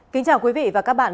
kính chào quý vị và các bạn